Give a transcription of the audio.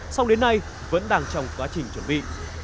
song đến nay vẫn đang trong quá trình chuẩn bị